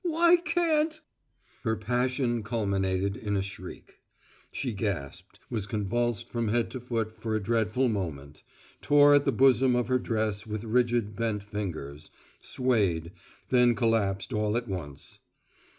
Why can't " Her passion culminated in a shriek: she gasped, was convulsed from head to foot for a dreadful moment, tore at the bosom of her dress with rigid bent fingers, swayed; then collapsed all at once.